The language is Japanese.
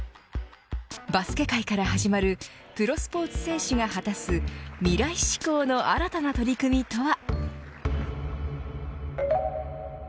バスケ界から始まるプロスポーツ選手が果たす未来志向の新たな取り組みとは。